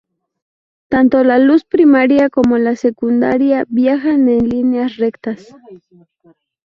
Tanto la luz primaria como la secundaria viajan en líneas rectas.